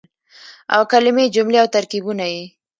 او کلمې ،جملې او ترکيبونه يې